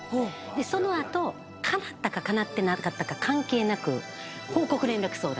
その後かなったかかなってなかったか関係なく報告連絡相談。